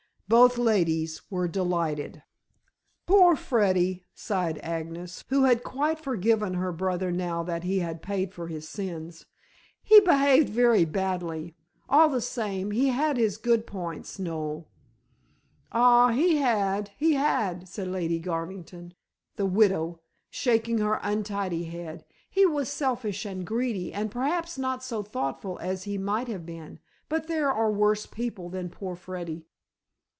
Both ladies were delighted. "Poor Freddy," sighed Agnes, who had quite forgiven her brother now that he had paid for his sins, "he behaved very badly; all the same he had his good points, Noel." "Ah, he had, he had," said Lady Garvington, the widow, shaking her untidy head, "he was selfish and greedy, and perhaps not so thoughtful as he might have been, but there are worse people than poor Freddy."